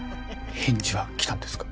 返事は来たんですか？